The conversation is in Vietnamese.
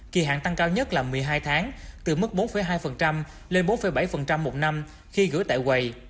kỳ hạn tăng cao nhất là một mươi hai tháng từ mức bốn hai lên bốn bảy một năm khi gửi tại quầy